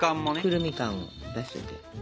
くるみ感を出しといて。